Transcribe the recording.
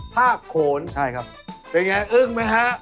ภาคโขนใช่ครับเป็นอย่างไรอึ้งไหมครับ